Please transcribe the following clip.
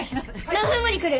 何分後に来る？